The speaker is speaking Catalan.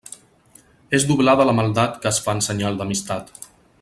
És doblada la maldat que es fa en senyal d'amistat.